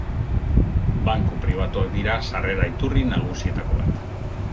Banku pribatuak dira sarrera iturri nagusietako bat.